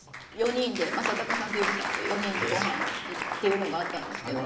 ４人で正隆さんと由実さんと４人で御飯っていうのがあったんですけど。